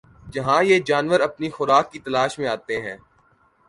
جہاں یہ جانور اپنی خوراک کی تلاش میں آتے ہیں